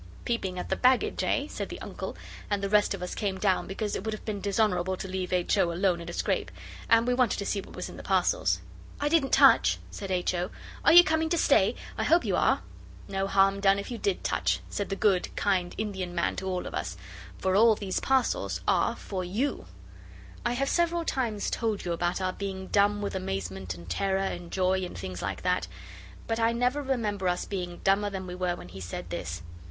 'Peeping at the baggage, eh?' said the Uncle, and the rest of us came down because it would have been dishonourable to leave H. O. alone in a scrape, and we wanted to see what was in the parcels. 'I didn't touch,' said H. O. 'Are you coming to stay? I hope you are.' 'No harm done if you did touch,' said the good, kind, Indian man to all of us. 'For all these parcels are for you.' I have several times told you about our being dumb with amazement and terror and joy, and things like that, but I never remember us being dumber than we were when he said this.